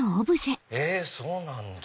そうなんだ。